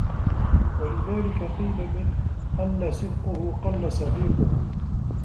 وَلِذَلِكَ قِيلَ مَنْ قَلَّ صِدْقُهُ قَلَّ صَدِيقُهُ